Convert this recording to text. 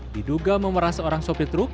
diduga memerasa orang sopi truk